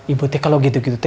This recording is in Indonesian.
ibu teh kalo gitu gitu teh